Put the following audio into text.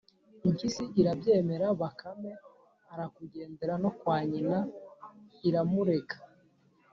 Impyisi irabyemera Bakame irakugendera no kwa nyina iramurega